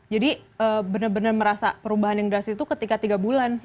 jadi benar benar merasa perubahan yang drastis itu ketika tiga bulan